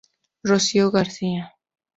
Rocío García